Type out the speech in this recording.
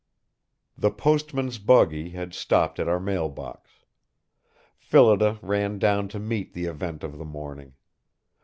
The postman's buggy had stopped at our mailbox. Phillida ran down to meet the event of the morning.